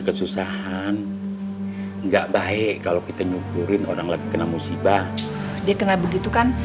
kesusahan enggak baik kalau kita nyukurin orang lagi kena musibah dia kena begitu kan